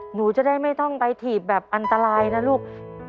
หนูจะได้ไม่ต้องไปถีบแบบอันตรายนะลูก